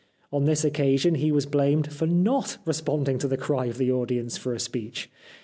On this occasion he was blamed for not responding to the cry of the audience for a speech.